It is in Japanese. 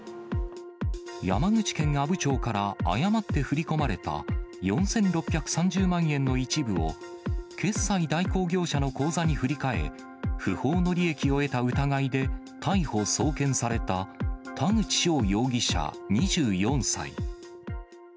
山口県阿武町から誤って振り込まれた４６３０万円の一部を、決済代行業者の口座に振り替え、不法の利益を得た疑いで逮捕・送検された田口翔容疑者２４歳。